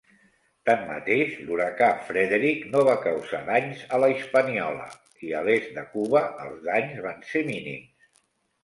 Tanmateix, l'huracà Frederic no va causar danys a la Hispaniola i a l'est de Cuba els danys van ser mínims.